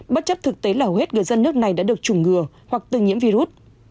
bất chấp thực tế là hầu hết người dân nước này đã được chủng ngừa hoặc từng nhiễm virus